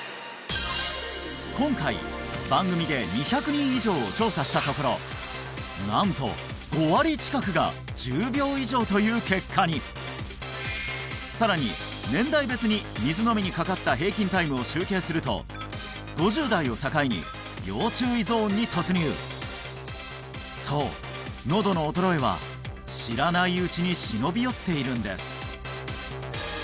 今回番組で２００人以上を調査したところなんと５割近くが１０秒以上という結果にさらに年代別に水飲みにかかった平均タイムを集計すると５０代を境に要注意ゾーンに突入そうのどの衰えは知らないうちに忍び寄っているんです